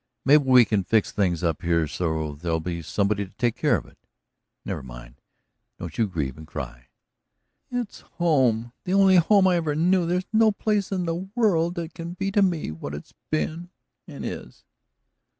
"Maybe we can fix things up here so there'll be somebody to take care of it. Never mind don't you grieve and cry." "It's home the only home I ever knew. There's no place in the world that can be to me what it has been, and is."